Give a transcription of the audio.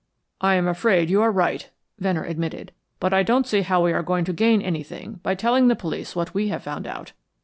"I am afraid you are right," Venner admitted; "but I don't see how we are going to gain any thing by telling the police what we have found out.